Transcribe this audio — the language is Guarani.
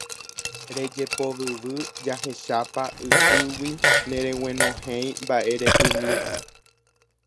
Rejepovyvy jahechápa ytýgui nereguenohẽi mba'erepymi.